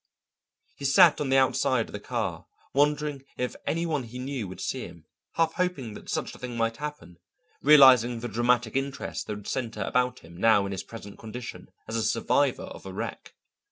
He sat on the outside of the car, wondering if any one he knew would see him, half hoping that such a thing might happen, realizing the dramatic interest that would centre about him now in his present condition as a survivor of a wreck.